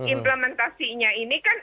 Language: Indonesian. implementasinya ini kan